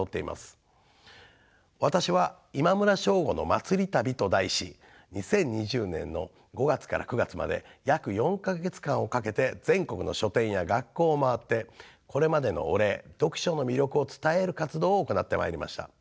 私は「今村翔吾のまつり旅」と題し２０２２年の５月から９月まで約４か月間をかけて全国の書店や学校をまわってこれまでのお礼読書の魅力を伝える活動を行ってまいりました。